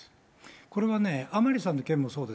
これはね、甘利さんの件もそうです。